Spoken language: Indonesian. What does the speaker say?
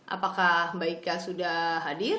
apakah mbak ika sudah hadir